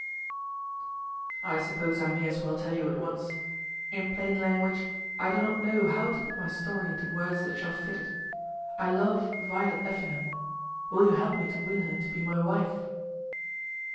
"I suppose I may as well tell you at once, in plain language, I do not know how to put my story into words that shall fit it. I love Violet Effingham. Will you help me to win her to be my wife?"